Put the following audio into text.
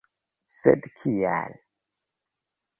Sed kial?